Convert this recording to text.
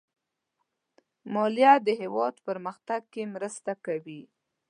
مالیه د هېواد پرمختګ کې مرسته کوي.